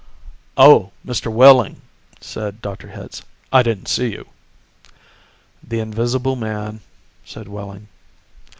"Oh, Mr. Wehling," said Dr. Hitz, "I didn't see you." "The invisible man," said Wehling.